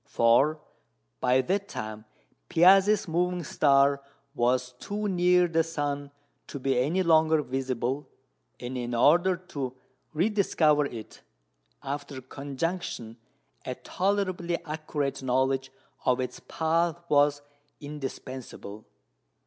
For by that time Piazzi's moving star was too near the sun to be any longer visible, and in order to rediscover it after conjunction a tolerably accurate knowledge of its path was indispensable.